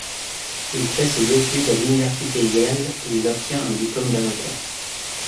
Il fait ses études à l'université Yale où il obtient un diplôme d'avocat.